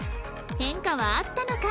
変化はあったのか？